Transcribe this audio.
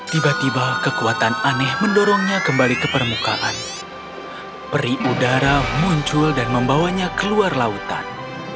tiba tiba kekuatan aneh mendorongnya kembali ke permukaan peri udara muncul dan membawanya keluar lautan